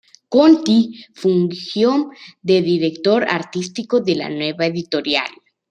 Conti fungió de director artístico de la nueva editorial.